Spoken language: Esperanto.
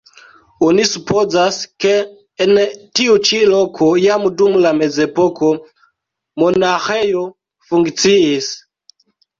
Oni supozas, ke en tiu ĉi loko jam dum la mezepoko monaĥejo funkciis.